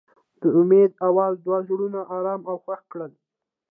د امید اواز د دوی زړونه ارامه او خوښ کړل.